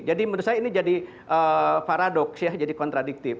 jadi menurut saya ini jadi paradoks jadi kontradiktif